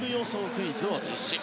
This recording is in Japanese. クイズを実施。